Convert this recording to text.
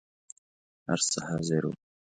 هر څه حاضر وو.